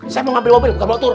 saya mau ambil mobil bukan motor